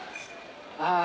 ああ。